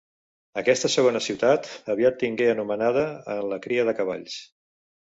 Aquesta segona ciutat aviat tingué anomenada en la cria de cavalls.